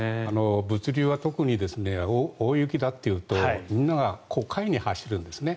物流は特に大雪だっていうとみんなが買いに走るんですね。